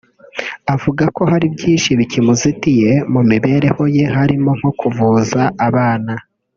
Avuga ko hari byinshi bikimuzitiye mu mibereho ye harimo nko kuvuza abana